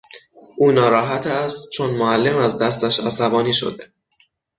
او ناراحت است چون معلم از دستش عصبانی شده.